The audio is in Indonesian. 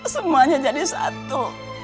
semuanya jadi satu